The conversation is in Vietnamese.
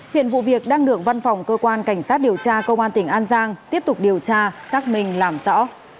hiện vụ việc đang được văn phòng cơ quan cảnh sát điều tra công an tỉnh an giang tiếp tục điều tra xác minh làm rõ